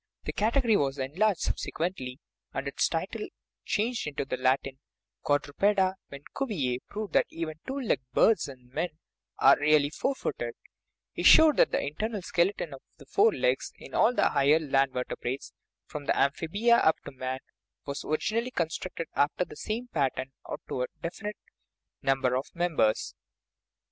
The category was enlarged subsequently, and its title changed into the Latin " quadrupeda," when Cuvier proved that even " two legged " birds and men are really "four footed"; he showed that the internal skeleton of the four legs in all the higher land verte brates, from the amphibia up to man, was originally constructed after the same pattern out of a definite number of members.